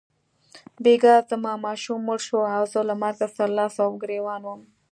بیګا زما ماشوم مړ شو او زه له مرګ سره لاس او ګرېوان وم.